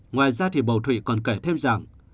ngoài ra thì bầu thụy còn kể thêm rằng